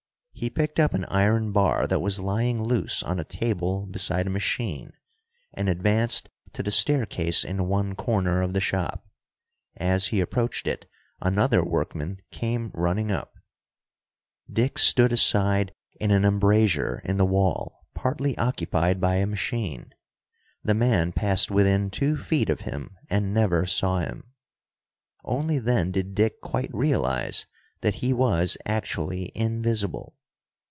He picked up an iron bar that was lying loose on a table beside a machine, and advanced to the staircase in one corner of the shop. As he approached it, another workman came running up. Dick stood aside in an embrasure in the wall partly occupied by a machine. The man passed within two feet of him and never saw him. Only then did Dick quite realize that he was actually invisible.